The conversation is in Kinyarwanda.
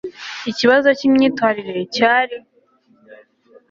Ikibazo cyimyitwarire cyari